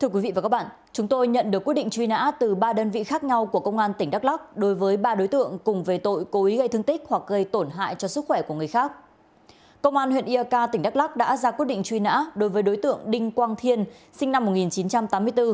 các tỉnh đắk lắc đã ra quyết định truy nã đối với đối tượng đinh quang thiên sinh năm một nghìn chín trăm tám mươi bốn